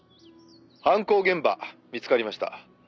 「犯行現場見つかりました」